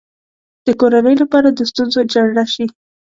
د کورنۍ لپاره د ستونزو جرړه شي.